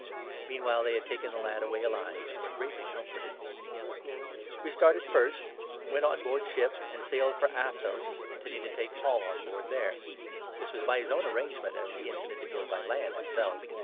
Meanwhile they had taken the lad away alive, 12 and were greatly comforted. Paul We started first, went on board ship, and 13 at Miletus, sailed for Assos, intending to take Paul on board there. This was by his own arrangement, as he in tended to go by land himself.